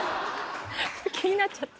気になっちゃって。